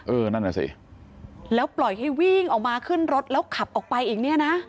เออนั่นน่ะสิแล้วปล่อยให้วิ่งออกมาขึ้นรถแล้วขับออกไปอีกเนี่ยนะ